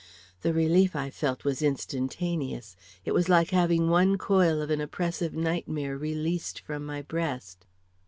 The relief I felt was instantaneous. It was like having one coil of an oppressive nightmare released from my breast.